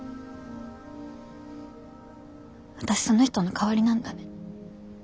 私その人の代わりなんだね。